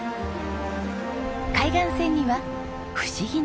海岸線には不思議な岩も。